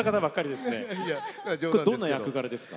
どんな役柄ですか？